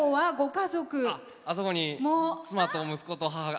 あそこに妻と息子と母が。